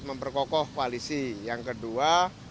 memperkokoh koalisi yang kedua